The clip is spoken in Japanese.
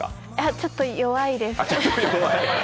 ちょっと弱いです。